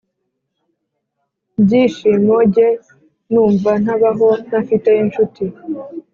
byishimo Jye numva ntabaho ntafite incuti